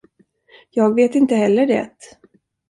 Jag vet inte heller det.